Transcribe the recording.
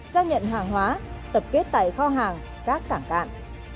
giao nhận hàng hóa tập kết tại kho hàng các cảng cạn